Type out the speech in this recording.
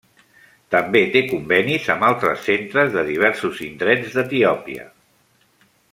També té convenis amb altres centres de diversos indrets d'Etiòpia.